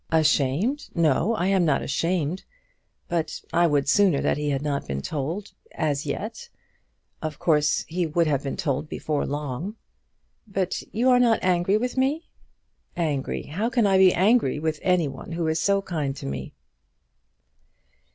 "Ashamed! No; I am not ashamed. But I would sooner that he had not been told, as yet. Of course he would have been told before long." "But you are not angry with me?" "Angry! How can I be angry with any one who is so kind to me?"